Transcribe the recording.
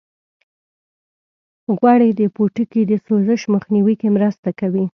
غوړې د پوټکي د سوزش مخنیوي کې مرسته کوي.